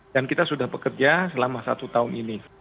dan kita sudah bekerja selama satu tahun ini